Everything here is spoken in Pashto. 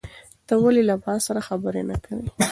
ته ولې له ما سره خبرې نه کوې؟